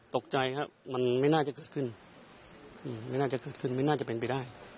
ตกใจครับมันไม่น่าจะเกิดขึ้นไม่น่าจะเกิดขึ้นไม่น่าจะเป็นไปได้